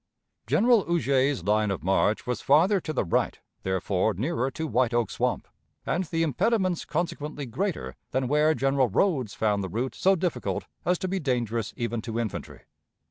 General Huger's line of march was farther to the right, therefore nearer to White Oak Swamp, and the impediments consequently greater than where General Rodes found the route so difficult as to be dangerous even to infantry.